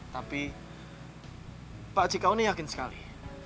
tapi pakcik kaunnya yakin sekali